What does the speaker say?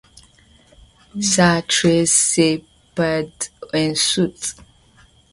Sa trace se perd ensuite.